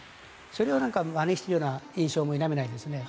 それをまねしているような印象も否めないですね。